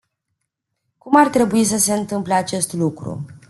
Cum ar trebui să se întâmple acest lucru?